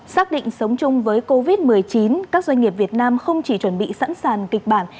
xác định sống chung với covid một mươi chín các doanh nghiệp việt nam không chỉ chuẩn bị sẵn sàng kịch bản